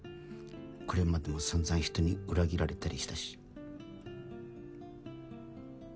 これまでも散々人に裏切られたりしたし。